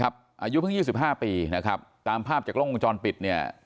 อายุเพิ่ง๒๕ปีตามภาพจากล้องที่อุงจรปิด